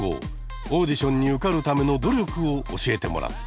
オーディションに受かるための努力を教えてもらった。